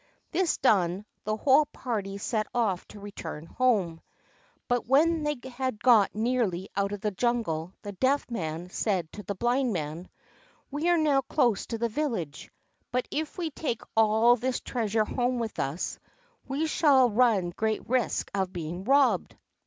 This done, the whole party set off to return home. But when they had got nearly out of the jungle the Deaf Man said to the Blind Man: "We are now close to the village; but if we take all this treasure home with us, we shall run great risk of being robbed.